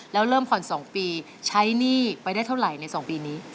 แล้วเริ่มผ่อน๒ปีใช้หนี้ไปได้เท่าไหร่ใน๒ปีนี้